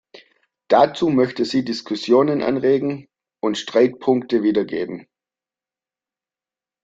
Dazu möchte sie Diskussionen anregen und Streitpunkte wiedergeben.